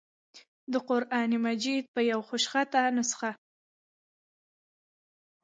دَقرآن مجيد يوه خوشخطه نسخه